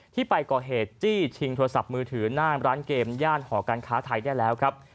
ที่ไปก่อเหตุจี้ชิงโทรศัพท์มือถือหน้าร้านเกมย่านหอการค้าไทยได้แล้วครับ